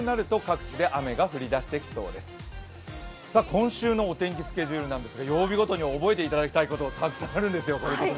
今週のお天気スケジュールなんですが、曜日ごとに覚えていただきたいことがたくさんあるんですよ。